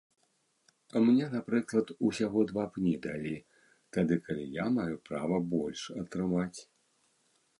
Мне, напрыклад, усяго два пні далі, тады калі я маю права больш атрымаць.